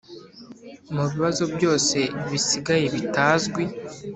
mubibazo byose bisigaye bitazwi,